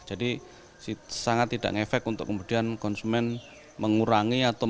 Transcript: jadi sangat tidak ngefek untuk kemudian konsumen mengurangi atau mengurangi